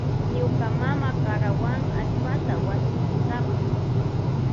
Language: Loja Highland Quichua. Ñuka mama karawan allpata wasi chinkapa.